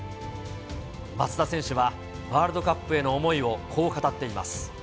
松田選手はワールドカップへの思いをこう語っています。